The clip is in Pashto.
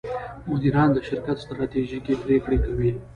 مدیران د شرکت ستراتیژیکې پرېکړې کوي.